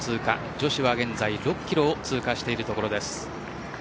女子は現在６キロを通過しているところです。